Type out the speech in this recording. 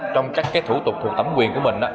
trong các cái thủ tục thuộc tẩm quyền của mình